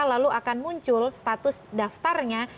lalu akan muncul status daftarnya